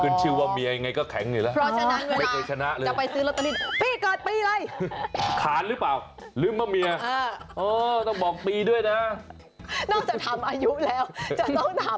กลิ่นชื่อว่ามเมียไงก็แข็งเงี้ยแหละ